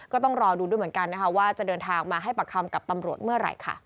ก็ต้องรอดูด้วยเหมือนกันนะคะว่าจะเดินทางมาให้ปากคำกับตำรวจเมื่อไหร่ค่ะ